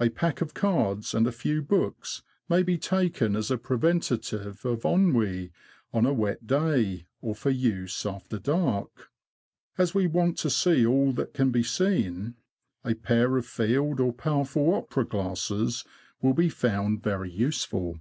A pack of cards and a few books may be taken as a preventive of ennui on a wet day, or for use after dark. As we want to see all that can be seen, a pair of field or powerful opera glasses will be found very useful.